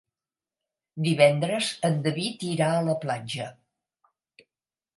Divendres en David irà a la platja.